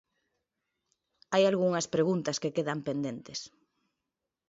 Hai algunhas preguntas que quedan pendentes.